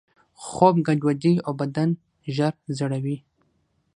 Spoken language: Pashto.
خوب ګډوډوي او بدن ژر زړوي.